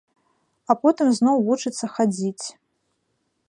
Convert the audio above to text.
А потым зноў вучыцца хадзіць.